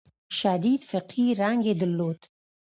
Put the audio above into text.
شدید فقهي رنګ یې درلود.